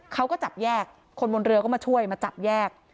เขาก็จับแยกคนบนเรือก็มาช่วยมาจับแยก